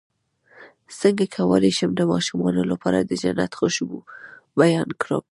څنګه کولی شم د ماشومانو لپاره د جنت خوشبو بیان کړم